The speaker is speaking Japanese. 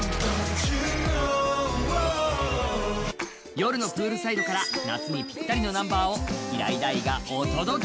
夜のプールサイドから夏にピッタリのナンバーを平井大がお届け。